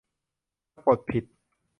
สะกดผิด